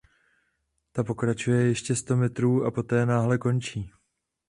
Ta pokračuje ještě sto metrů a poté náhle končí.